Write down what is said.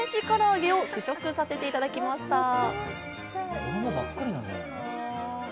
から揚げを試食させていただきました。